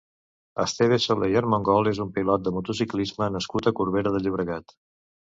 Esteve Soler i Armengol és un pilot de motociclisme nascut a Corbera de Llobregat.